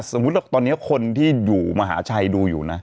สมมุติว่าตอนนี้คนที่อยู่มหาชัยดูอยู่นะ